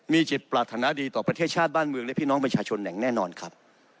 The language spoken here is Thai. มีจิตปรารถนาดีต่อประเทศชาติบ้านเมืองและพี่น้องประชาชนอย่างแน่นอนครับ